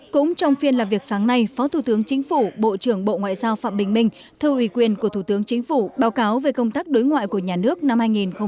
cũng trong phiên làm việc sáng nay phó thủ tướng chính phủ bộ trưởng bộ ngoại giao phạm bình minh thư ủy quyền của thủ tướng chính phủ báo cáo về công tác đối ngoại của nhà nước năm hai nghìn một mươi chín